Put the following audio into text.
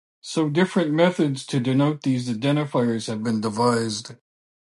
So different methods to denote these identifiers have been devised.